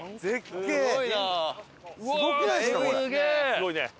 すごいね。